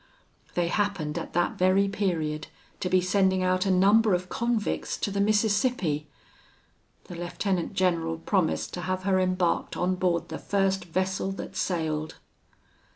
They happened, at that very period, to be sending out a number of convicts to the Mississippi. The lieutenant general promised to have her embarked on board the first vessel that sailed.